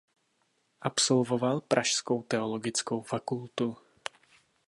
Absolvoval pražskou teologickou fakultu.